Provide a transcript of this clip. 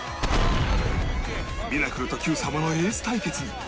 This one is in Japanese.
『ミラクル』と『Ｑ さま！！』のエース対決に